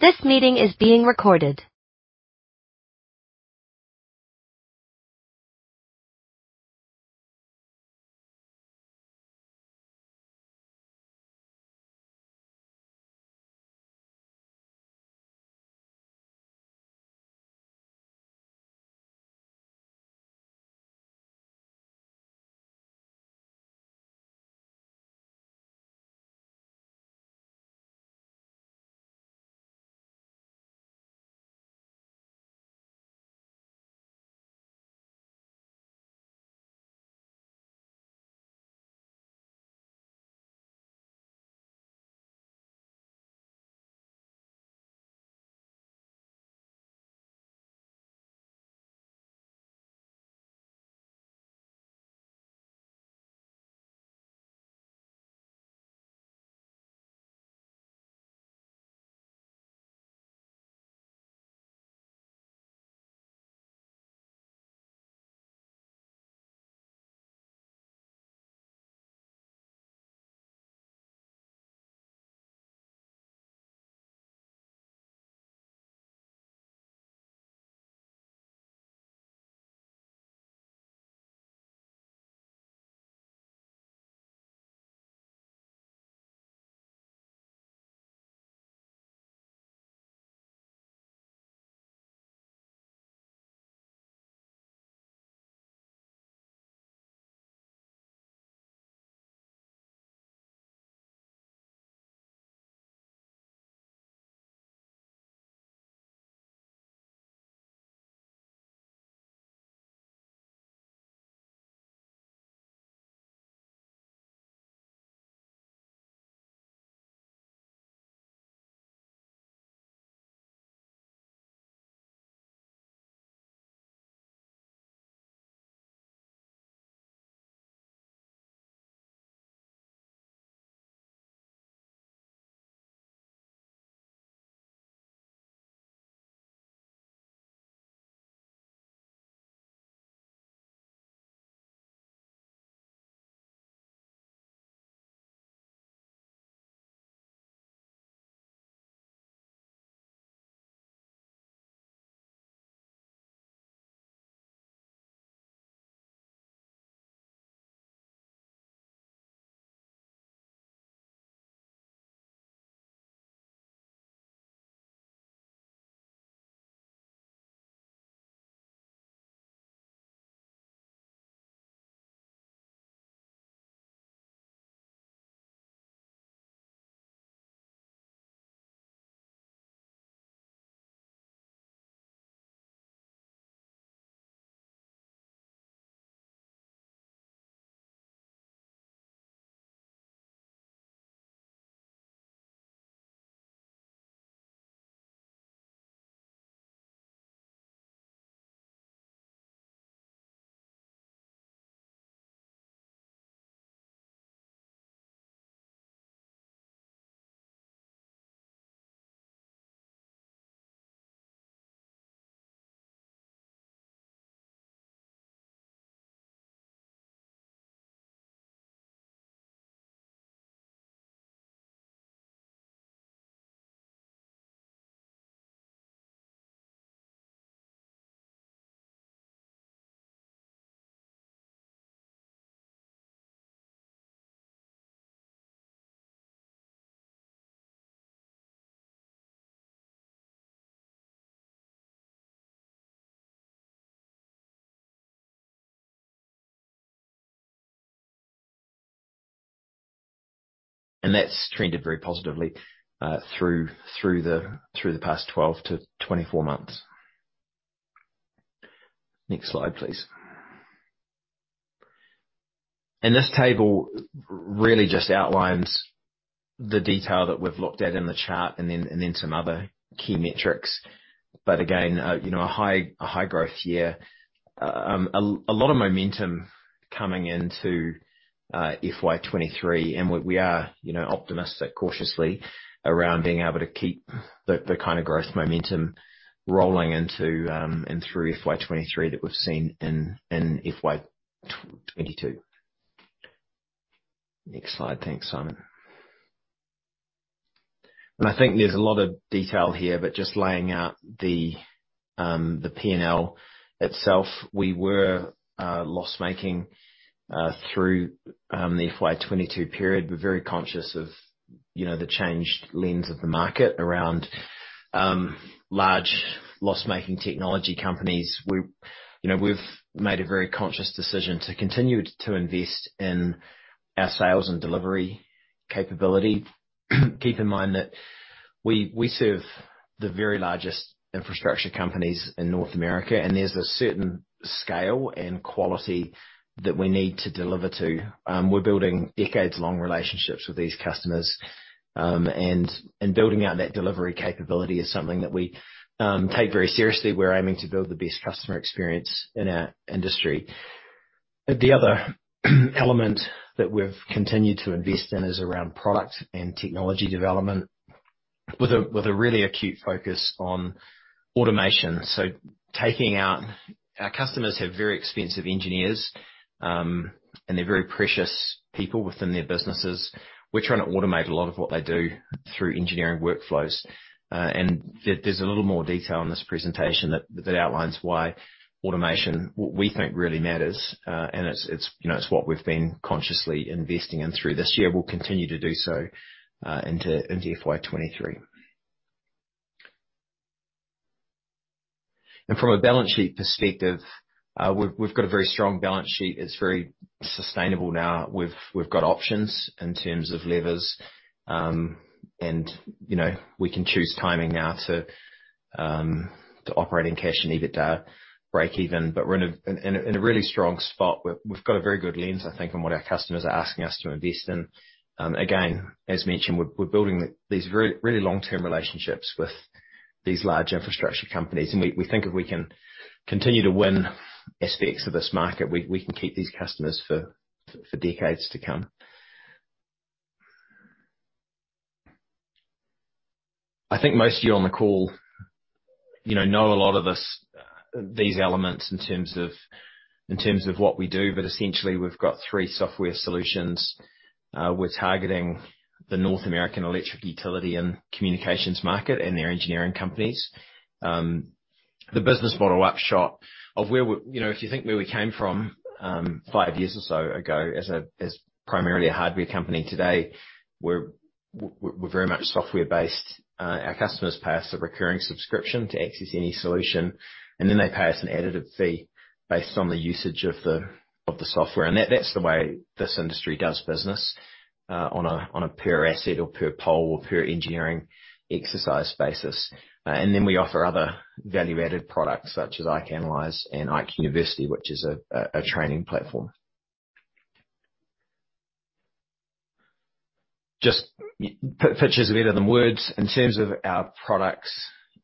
This meeting is being recorded. That's trended very positively through the past 12 months-24 months. Next slide, please. This table really just outlines the detail that we've looked at in the chart and then some other key metrics. But again, you know, a high growth year. A lot of momentum coming into FY 2023. We are, you know, optimistic cautiously around being able to keep the kind of growth momentum rolling into and through FY 2023 that we've seen in FY 2022. Next slide. Thanks, Simon. I think there's a lot of detail here, but just laying out the P&L itself, we were loss-making through the FY 2022 period. We're very conscious of, you know, the changed lens of the market around large loss-making technology companies. You know, we've made a very conscious decision to continue to invest in our sales and delivery capability. Keep in mind that we serve the very largest infrastructure companies in North America, and there's a certain scale and quality that we need to deliver to. We're building decades-long relationships with these customers. And building out that delivery capability is something that we take very seriously. We're aiming to build the best customer experience in our industry. The other element that we've continued to invest in is around product and technology development with a really acute focus on automation. Our customers have very expensive engineers, and they're very precious people within their businesses. We're trying to automate a lot of what they do through engineering workflows. There's a little more detail in this presentation that outlines why automation, we think, really matters. It's, you know, what we've been consciously investing in through this year. We'll continue to do so into FY 2023. From a balance sheet perspective, we've got a very strong balance sheet. It's very sustainable now. We've got options in terms of levers. You know, we can choose timing now to operating cash and EBITDA break even. We're in a really strong spot where we've got a very good lens, I think, on what our customers are asking us to invest in. Again, as mentioned, we're building these very, really long-term relationships with these large infrastructure companies. We think if we can continue to win aspects of this market, we can keep these customers for decades to come. I think most of you on the call, you know a lot of these elements in terms of what we do. Essentially, we've got three software solutions. We're targeting the North American electric utility and communications market and their engineering companies. The business model upshot of where we came from. You know, if you think where we came from, five years or so ago as primarily a hardware company, today we're very much software-based. Our customers pay us a recurring subscription to access any solution, and then they pay us an additive fee based on the usage of the software. That's the way this industry does business, on a per asset or per pole or per engineering exercise basis. We offer other value-added products such as IKE Analyze and IKE University, which is a training platform. Just pictures are better than words. In terms of our products,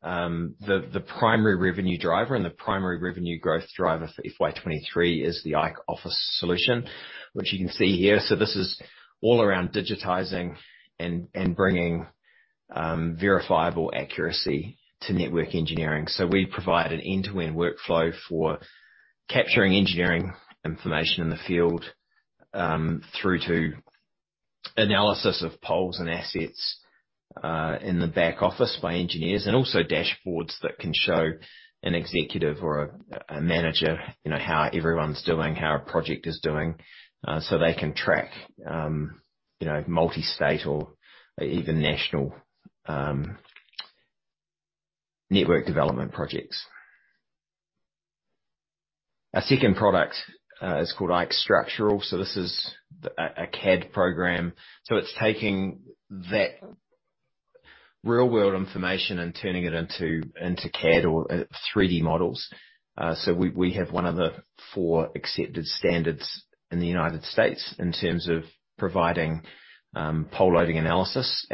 the primary revenue driver and the primary revenue growth driver for FY 2023 is the IKE Office solution, which you can see here. This is all around digitizing and bringing verifiable accuracy to network engineering. We provide an end-to-end workflow for capturing engineering information in the field, through to analysis of poles and assets in the back office by engineers, also dashboards that can show an executive or a manager, you know, how everyone's doing, how a project is doing, so they can track, you know, multi-state or even national network development projects. Our second product is called IKE Structural. This is a CAD program. It's taking that real-world information and turning it into CAD or 3D models. We have one of the four accepted standards in the U.S. in terms of providing pole loading analysis.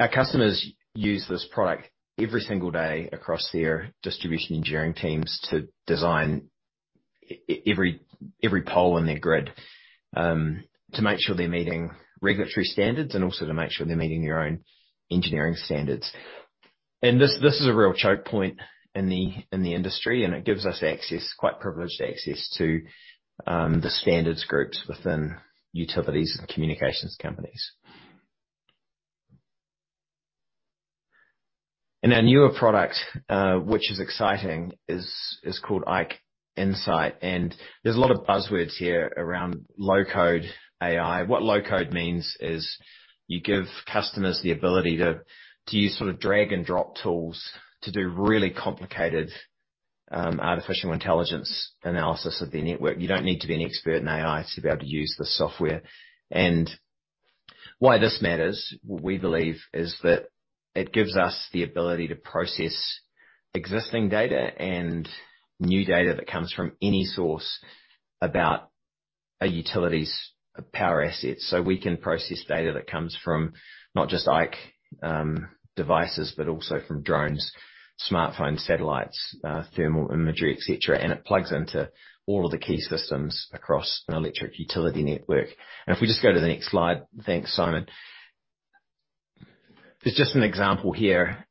Our customers use this product every single day across their distribution engineering teams to design every pole in their grid to make sure they're meeting regulatory standards and also to make sure they're meeting their own engineering standards. This is a real choke point in the industry, and it gives us access, quite privileged access to the standards groups within utilities and communications companies. Our newer product, which is exciting, is called IKE Insight. There's a lot of buzzwords here around low-code AI. What low-code means is you give customers the ability to use sort of drag and drop tools to do really complicated artificial intelligence analysis of their network. You don't need to be an expert in AI to be able to use this software. Why this matters, we believe, is that it gives us the ability to process existing data and new data that comes from any source about a utility's power assets. We can process data that comes from not just IKE Devices, but also from drones, smartphones, satellites, thermal imagery, et cetera. It plugs into all of the key systems across an electric utility network. If we just go to the next slide. Thanks, Simon. There's just an example here.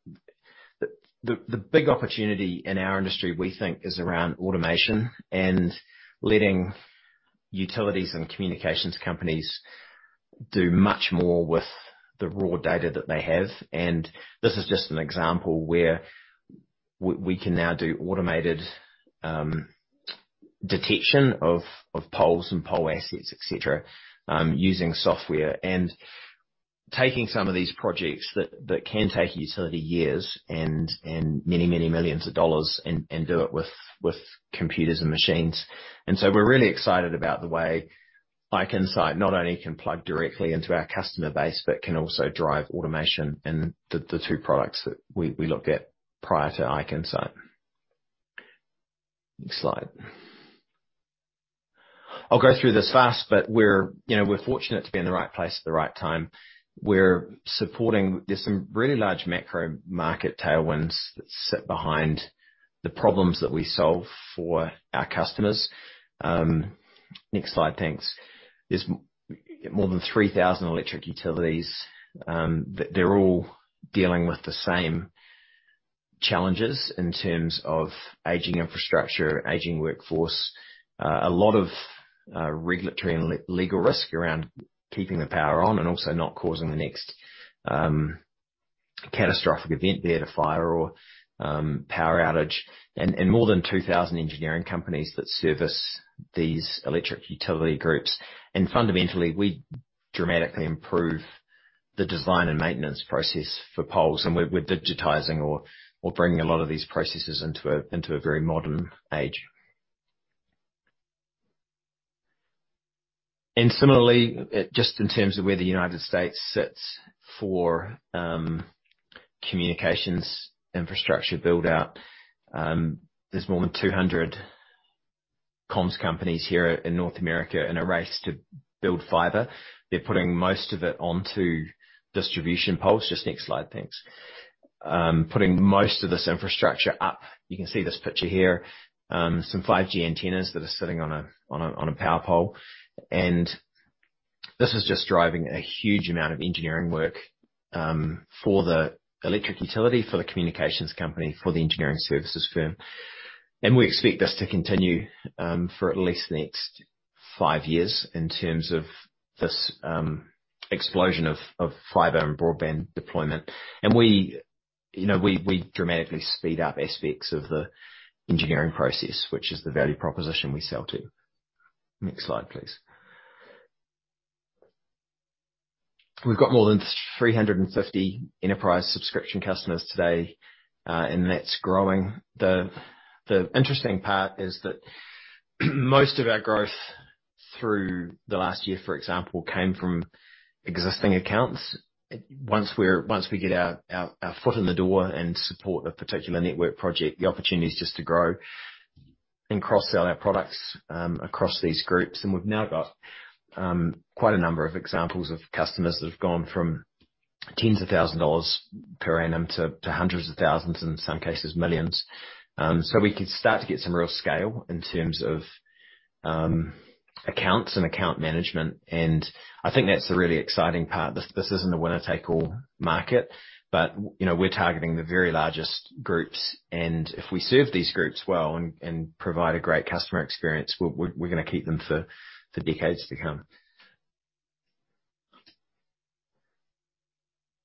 The big opportunity in our industry, we think, is around automation and letting utilities and communications companies do much more with the raw data that they have. This is just an example where we can now do automated detection of poles and pole assets, et cetera, using software. Taking some of these projects that can take a utility years and many millions of dollars and do it with computers and machines. We're really excited about the way IKE Insight not only can plug directly into our customer base, but can also drive automation in the two products that we looked at prior to IKE Insight. Next slide. I'll go through this fast, but we're, you know, we're fortunate to be in the right place at the right time. We're supporting. There's some really large macro market tailwinds that sit behind the problems that we solve for our customers. Next slide, thanks. There's more than 3,000 electric utilities. They're all dealing with the same challenges in terms of aging infrastructure, aging workforce, a lot of regulatory and legal risk around keeping the power on and also not causing the next catastrophic event, be it a fire or power outage. More than 2,000 engineering companies that service these electric utility groups. Fundamentally, we dramatically improve the design and maintenance process for poles, and we're digitizing or bringing a lot of these processes into a very modern age. Similarly, just in terms of where the U.S. sits for communications infrastructure build-out, there's more than 200 comms companies here in North America in a race to build fiber. They're putting most of it onto distribution poles. Just next slide, thanks. Putting most of this infrastructure up. You can see this picture here, some 5G antennas that are sitting on a power pole. This is just driving a huge amount of engineering work for the electric utility, for the communications company, for the engineering services firm. We expect this to continue for at least the next five years in terms of this explosion of fiber and broadband deployment. We, you know, dramatically speed up aspects of the engineering process, which is the value proposition we sell to. Next slide, please. We've got more than 350 enterprise subscription customers today, and that's growing. The interesting part is that most of our growth through the last year, for example, came from existing accounts. Once we get our foot in the door and support a particular network project, the opportunity is just to grow and cross-sell our products across these groups. We've now got quite a number of examples of customers that have gone from tens of thousands per annum to hundreds of thousands, in some cases, millions. We can start to get some real scale in terms of accounts and account management. I think that's the really exciting part. This isn't a winner-take-all market, but you know, we're targeting the very largest groups, and if we serve these groups well and provide a great customer experience, we're gonna keep them for decades to come.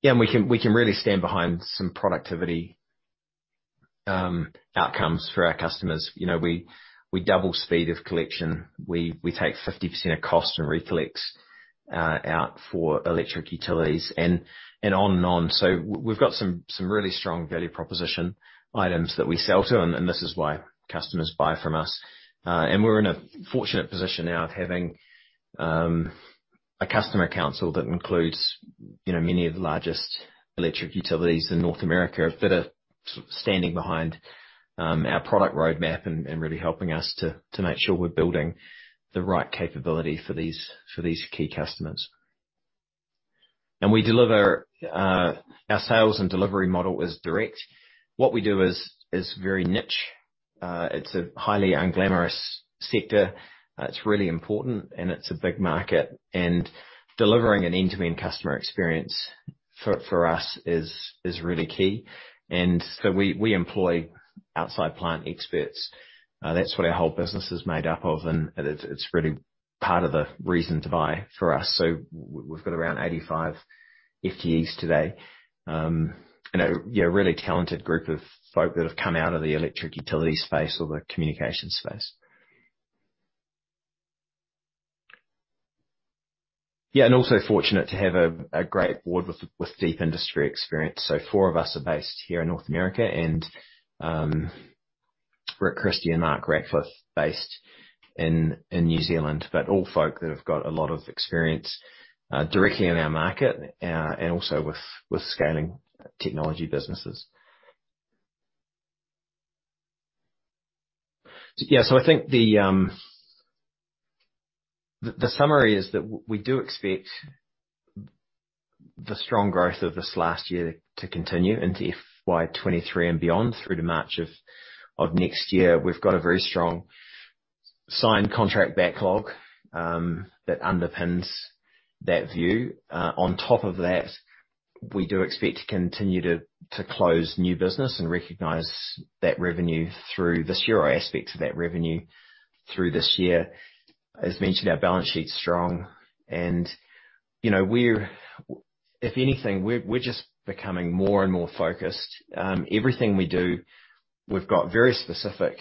Yeah. We can really stand behind some productivity outcomes for our customers. You know, we double speed of collection. We take 50% of cost and effort out for electric utilities and on and on. We've got some really strong value proposition items that we sell to, and this is why customers buy from us. We're in a fortunate position now of having a customer council that includes, you know, many of the largest electric utilities in North America that are standing behind our product roadmap and really helping us to make sure we're building the right capability for these key customers. Our sales and delivery model is direct. What we do is very niche. It's a highly unglamorous sector. It's really important, and it's a big market. Delivering an end-to-end customer experience for us is really key. We employ outside plant experts. That's what our whole business is made up of, and it's really part of the reason to buy for us. We've got around 85 FTEs today. Yeah, really talented group of folk that have come out of the electric utility space or the communications space. Yeah, and also fortunate to have a great board with deep industry experience. Four of us are based here in North America, and Rick Christie and Mark Ratcliffe based in New Zealand. All folk that have got a lot of experience directly in our market and also with scaling technology businesses. I think the summary is that we do expect the strong growth of this last year to continue into FY 2023 and beyond through to March of next year. We've got a very strong signed contract backlog that underpins that view. On top of that, we do expect to continue to close new business and recognize that revenue through this year or aspects of that revenue through this year. As mentioned, our balance sheet's strong. You know, if anything, we're just becoming more and more focused. Everything we do, we've got very specific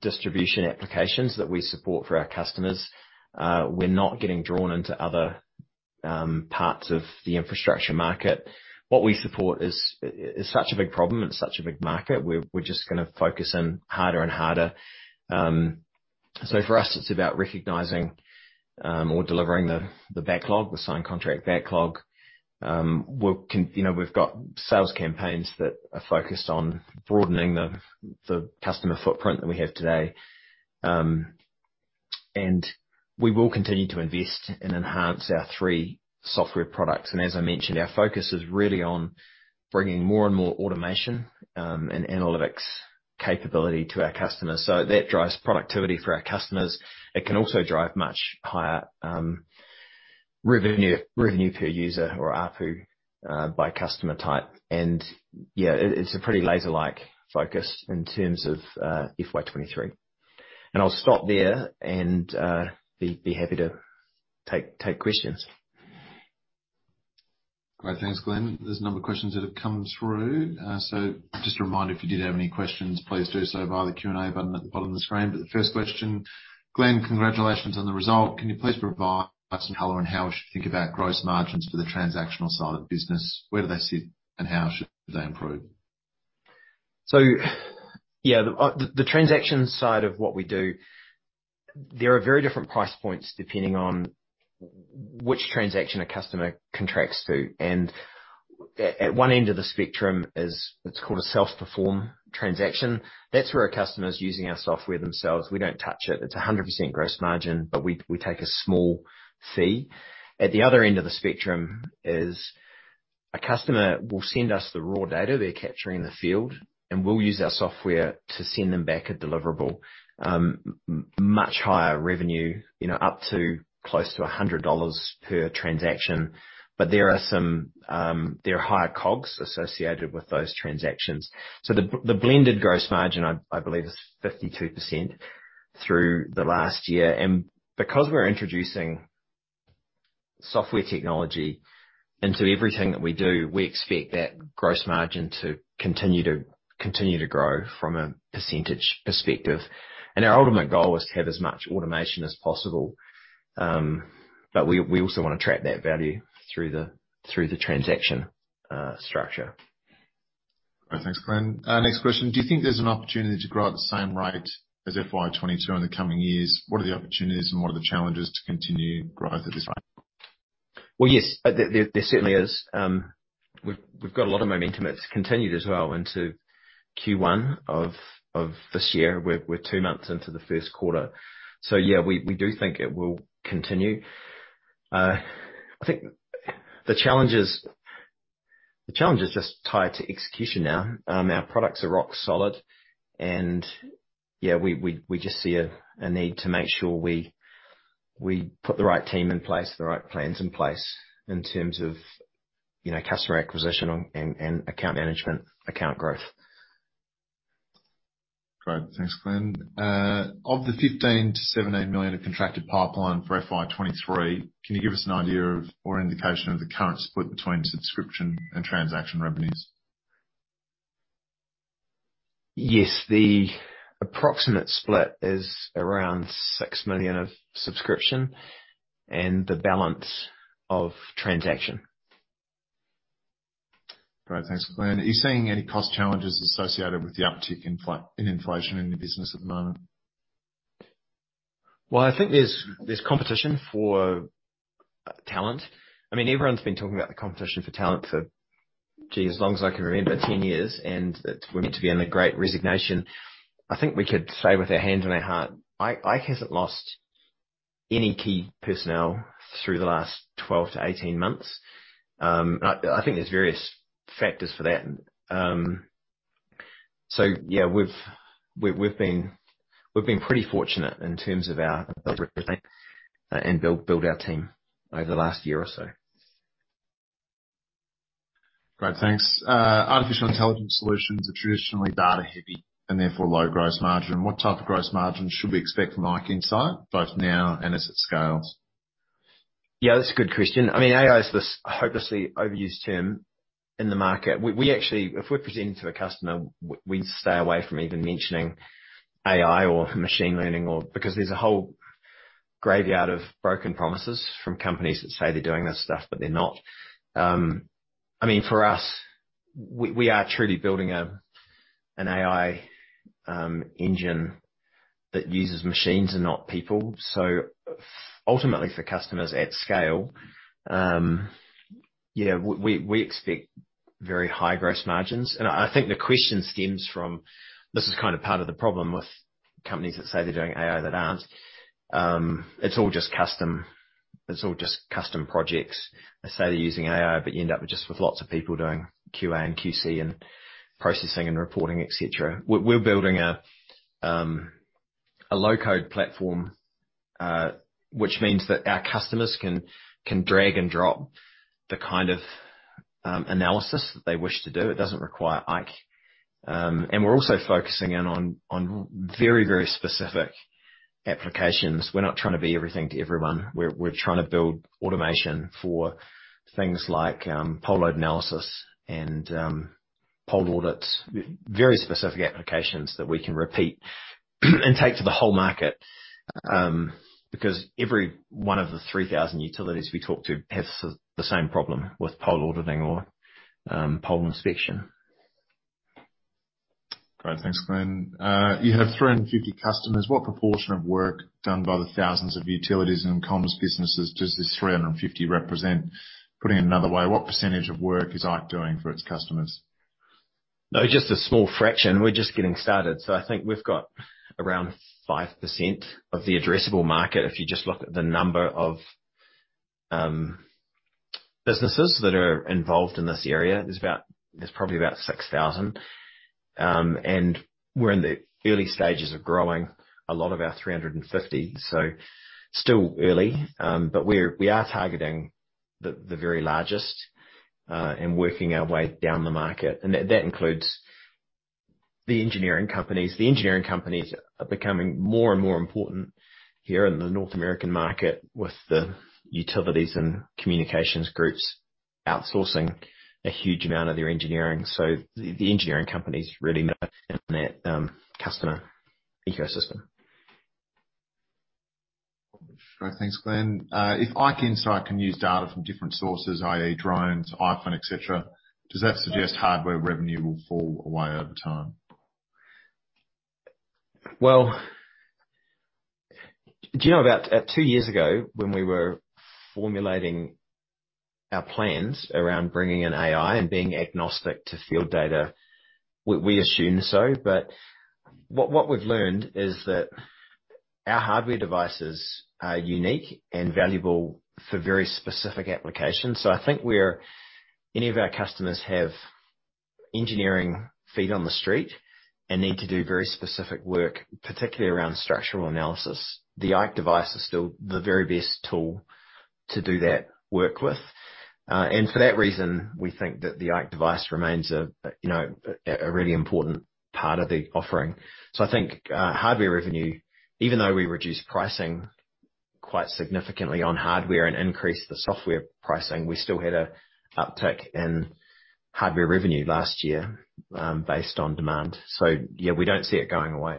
distribution applications that we support for our customers. We're not getting drawn into other parts of the infrastructure market. What we support is such a big problem and such a big market. We're just gonna focus in harder and harder. For us, it's about recognizing or delivering the backlog, the signed contract backlog. You know, we've got sales campaigns that are focused on broadening the customer footprint that we have today. We will continue to invest and enhance our three software products. As I mentioned, our focus is really on bringing more and more automation and analytics capability to our customers. That drives productivity for our customers. It can also drive much higher revenue per user or ARPU by customer type. Yeah, it's a pretty laser-like focus in terms of FY 2023. I'll stop there and be happy to take questions. Great. Thanks, Glenn. There's a number of questions that have come through. So just a reminder, if you did have any questions, please do so via the Q&A button at the bottom of the screen. The first question, Glenn, congratulations on the result. Can you please provide us some color on how we should think about gross margins for the transactional side of the business? Where do they sit and how should they improve? Yeah, the transaction side of what we do, there are very different price points depending on which transaction a customer contracts to. At one end of the spectrum, it's called a self-perform transaction. That's where a customer is using our software themselves. We don't touch it. It's 100% gross margin, but we take a small fee. At the other end of the spectrum is a customer will send us the raw data they're capturing in the field, and we'll use our software to send them back a deliverable, much higher revenue, you know, up to close to $100 per transaction. But there are higher COGS associated with those transactions. The blended gross margin, I believe, is 52% through the last year. Because we're introducing software technology into everything that we do, we expect that gross margin to continue to grow from a percentage perspective. Our ultimate goal is to have as much automation as possible, but we also wanna track that value through the transaction structure. Great. Thanks, Glenn. Next question. Do you think there's an opportunity to grow at the same rate as FY 2022 in the coming years? What are the opportunities and what are the challenges to continue growth at this rate? Well, yes. There certainly is. We've got a lot of momentum. It's continued as well into Q1 of this year. We're two months into the Q1. So yeah, we do think it will continue. I think the challenge is just tied to execution now. Our products are rock solid and yeah, we just see a need to make sure we put the right team in place, the right plans in place in terms of, you know, customer acquisition and account management, account growth. Great. Thanks, Glenn. Of the 15 million-17 million of contracted pipeline for FY 2023, can you give us an idea of or indication of the current split between subscription and transaction revenues? Yes. The approximate split is around 6 million of subscription and the balance of transaction. Great. Thanks, Glenn. Are you seeing any cost challenges associated with the uptick in inflation in the business at the moment? Well, I think there's competition for talent. I mean, everyone's been talking about the competition for talent for, gee, as long as I can remember, 10 years, and we're meant to be in a great resignation. I think we could say with our hand on our heart, IKE hasn't lost any key personnel through the last 12 months-18 months. I think there's various factors for that. I think we've been pretty fortunate in terms of our recruiting and build our team over the last year or so. Great. Thanks. Artificial intelligence solutions are traditionally data-heavy and therefore low gross margin. What type of gross margin should we expect from IKE Insight, both now and as it scales? Yeah, that's a good question. I mean, AI is this hopelessly overused term in the market. We actually if we're presenting to a customer, we stay away from even mentioning AI or machine learning because there's a whole graveyard of broken promises from companies that say they're doing this stuff, but they're not. I mean, for us, we are truly building an AI engine that uses machines and not people. So ultimately for customers at scale, yeah, we expect very high gross margins. I think the question stems from, this is kinda part of the problem with companies that say they're doing AI that aren't. It's all just custom. It's all just custom projects. They say they're using AI, but you end up with just lots of people doing QAQC and processing and reporting, et cetera. We're building a low-code platform, which means that our customers can drag and drop the kind of analysis that they wish to do. It doesn't require IKE. We're also focusing in on very specific applications. We're not trying to be everything to everyone. We're trying to build automation for things like pole loading analysis and pole audits. Very specific applications that we can repeat and take to the whole market, because every one of the 3,000 utilities we talk to has the same problem with pole auditing or pole inspection. Great. Thanks, Glenn. You have 350 customers. What proportion of work done by the thousands of utilities and communications businesses does this 350 represent? Putting it another way, what percentage of work is IKE doing for its customers? No, just a small fraction. We're just getting started. I think we've got around 5% of the addressable market. If you just look at the number of businesses that are involved in this area, there's probably about 6,000. And we're in the early stages of growing a lot of our 350, so still early. But we're, we are targeting the very largest and working our way down the market. That includes the engineering companies. The engineering companies are becoming more and more important here in the North American market with the utilities and communications groups outsourcing a huge amount of their engineering. The engineering companies really matter in that customer ecosystem. Great. Thanks, Glenn. If IKE Insight can use data from different sources, i.e., drones, iPhone, et cetera, does that suggest hardware revenue will fall away over time? Well, do you know about two years ago when we were formulating our plans around bringing in AI and being agnostic to field data, we assumed so. What we've learned is that our hardware devices are unique and valuable for very specific applications. I think any of our customers have engineering feet on the street and need to do very specific work, particularly around structural analysis. The IKE Device is still the very best tool to do that work with. For that reason, we think that the IKE Device remains a you know a really important part of the offering. I think hardware revenue, even though we reduced pricing quite significantly on hardware and increased the software pricing, we still had an uptick in hardware revenue last year based on demand. Yeah, we don't see it going away.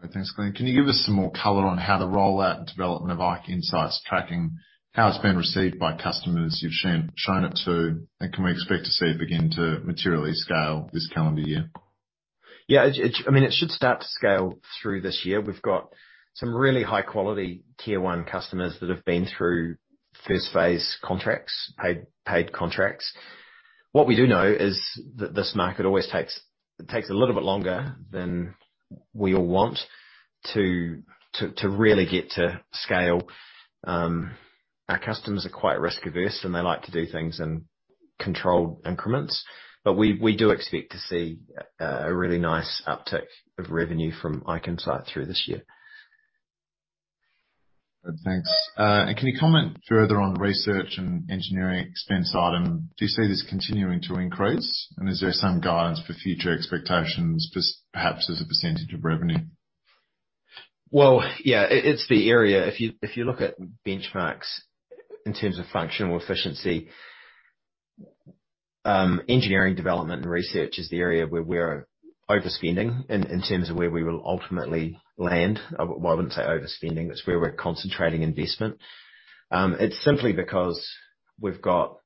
Great. Thanks, Glenn. Can you give us some more color on how the rollout and development of IKE Insight tracking, how it's been received by customers you've shown it to, and can we expect to see it begin to materially scale this calendar year? Yeah. I mean, it should start to scale through this year. We've got some really high quality tier one customers that have been through first phase contracts, paid contracts. What we do know is that this market always takes a little bit longer than we all want to really get to scale. Our customers are quite risk averse, and they like to do things in controlled increments. We do expect to see a really nice uptick of revenue from IKE Insight through this year. Good. Thanks. Can you comment further on the research and engineering expense item? Do you see this continuing to increase, and is there some guidance for future expectations, just perhaps as a percentage of revenue? Well, yeah. It's the area. If you look at benchmarks in terms of functional efficiency, engineering, development and research is the area where we're overspending in terms of where we will ultimately land. Well, I wouldn't say overspending. That's where we're concentrating investment. It's simply because we've got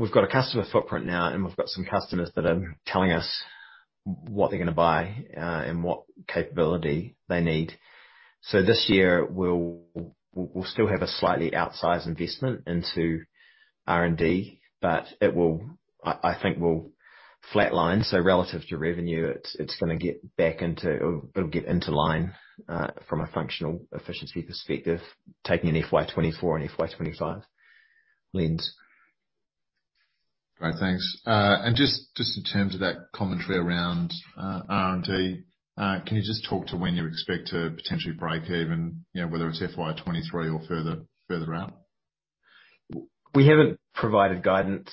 a customer footprint now, and we've got some customers that are telling us what they're gonna buy, and what capability they need. This year, we'll still have a slightly outsized investment into R&D, but it will, I think, flatline. Relative to revenue, it's gonna get back into or it'll get into line from a functional efficiency perspective, taking an FY 2024 and FY 2025 lens. Great. Thanks. Just in terms of that commentary around R&D, can you just talk to when you expect to potentially break even, you know, whether it's FY 2023 or further out? We haven't provided guidance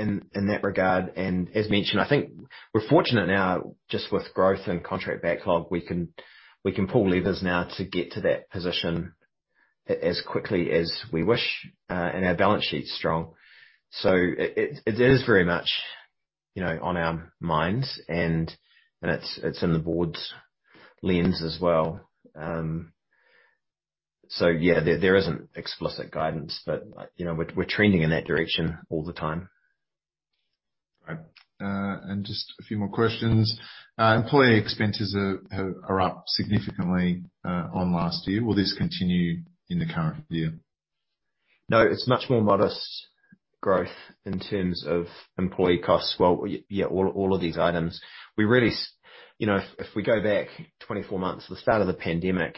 in that regard. As mentioned, I think we're fortunate now just with growth and contract backlog. We can pull levers now to get to that position as quickly as we wish. Our balance sheet's strong. It is very much, you know, on our minds and it's in the board's lens as well. Yeah, there isn't explicit guidance, but, you know, we're trending in that direction all the time. Great. Just a few more questions. Employee expenses are up significantly on last year. Will this continue in the current year? No. It's much more modest growth in terms of employee costs. Well, yeah, all of these items. We really you know, if we go back 24 months to the start of the pandemic,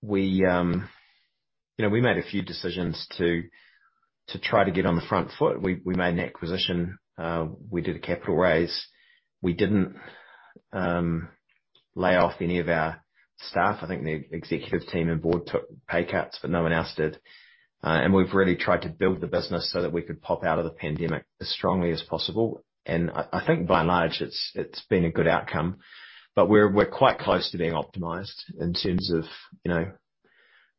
we you know, we made a few decisions to try to get on the front foot. We made an acquisition. We did a capital raise. We didn't lay off any of our staff. I think the executive team and board took pay cuts, but no one else did. We've really tried to build the business so that we could pop out of the pandemic as strongly as possible. I think by and large, it's been a good outcome. We're quite close to being optimized in terms of you know,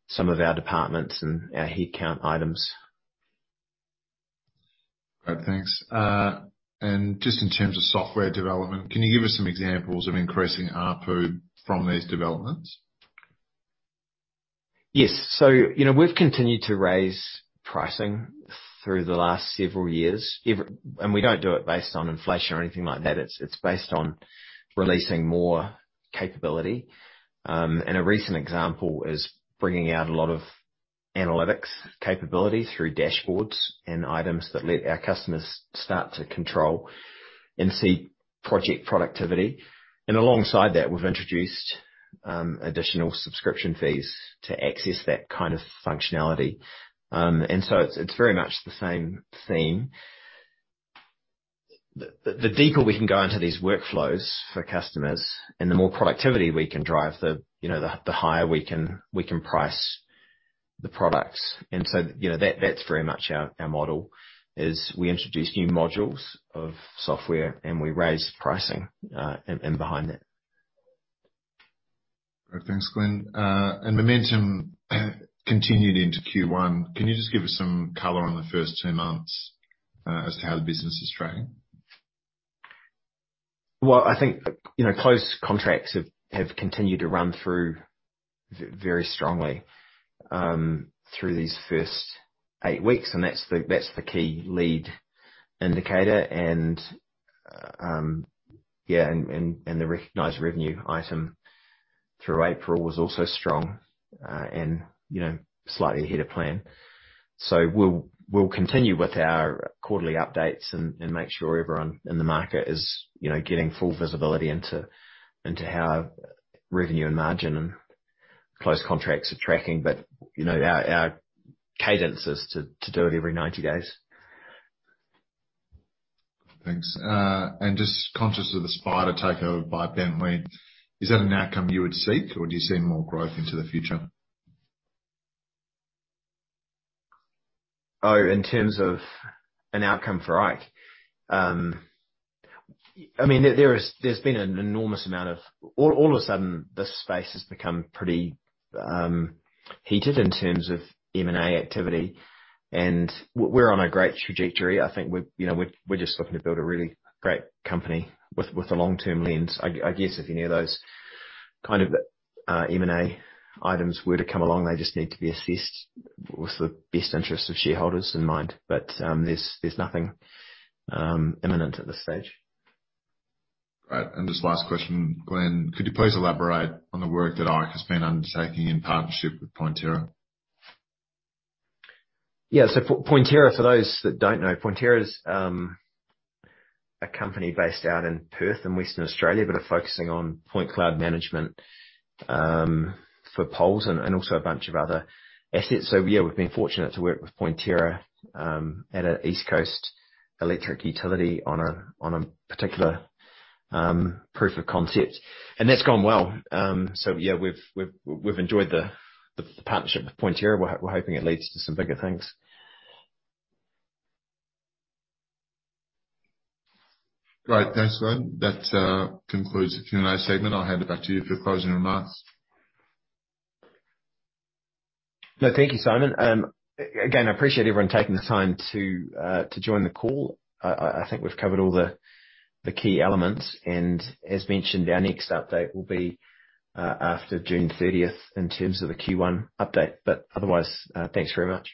some of our departments and our headcount items. Great. Thanks. Just in terms of software development, can you give us some examples of increasing ARPU from these developments? Yes. You know, we've continued to raise pricing through the last several years. We don't do it based on inflation or anything like that. It's based on releasing more capability. A recent example is bringing out a lot of analytics capability through dashboards and items that let our customers start to control and see project productivity. Alongside that, we've introduced additional subscription fees to access that kind of functionality. It's very much the same theme. The deeper we can go into these workflows for customers and the more productivity we can drive, you know, the higher we can price the products. You know, that's very much our model. We introduce new modules of software, and we raise pricing in behind that. Great. Thanks, Glenn. Momentum continued into Q1. Can you just give us some color on the first two months, as to how the business is tracking? Well, I think, you know, closed contracts have continued to run through very strongly through these first eight weeks, and that's the key leading indicator. Yeah, the recognized revenue item through April was also strong, and, you know, slightly ahead of plan. We'll continue with our quarterly updates and make sure everyone in the market is, you know, getting full visibility into how revenue and margin and closed contracts are tracking. You know, our cadence is to do it every 90 days. Thanks. Just conscious of the SPIDA takeover by Bentley, is that an outcome you would seek, or do you see more growth into the future? Oh, in terms of an outcome for IKE? I mean, there's been an enormous amount of, all of a sudden, this space has become pretty heated in terms of M&A activity, and we're on a great trajectory. I think we're, you know, just looking to build a really great company with a long-term lens. I guess if any of those kind of M&A items were to come along, they just need to be assessed with the best interest of shareholders in mind. There's nothing imminent at this stage. Great. Just last question, Glenn. Could you please elaborate on the work that IKE has been undertaking in partnership with Pointerra? Yeah. Pointerra, for those that don't know, Pointerra is a company based out in Perth in Western Australia, but are focusing on point cloud management for poles and also a bunch of other assets. Yeah, we've been fortunate to work with Pointerra at an East Coast electric utility on a particular proof of concept, and that's gone well. Yeah, we've enjoyed the partnership with Pointerra. We're hoping it leads to some bigger things. Great. Thanks, Glenn. That concludes the Q&A segment. I'll hand it back to you for closing remarks. No, thank you, Simon. I appreciate everyone taking the time to join the call. I think we've covered all the key elements. As mentioned, our next update will be after June 13th, 2022 in terms of a Q1 update. Otherwise, thanks very much.